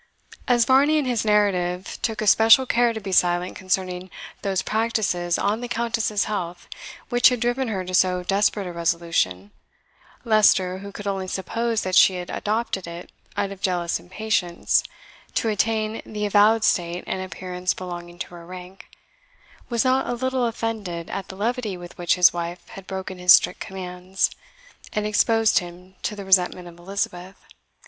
As Varney, in his narrative, took especial care to be silent concerning those practices on the Countess's health which had driven her to so desperate a resolution, Leicester, who could only suppose that she had adopted it out of jealous impatience to attain the avowed state and appearance belonging to her rank, was not a little offended at the levity with which his wife had broken his strict commands, and exposed him to the resentment of Elizabeth.